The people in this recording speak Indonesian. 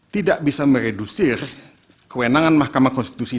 tidak bisa meredusir kewenangan mahkamah konstitusi